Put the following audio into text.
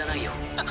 あっ。